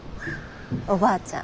おばあちゃん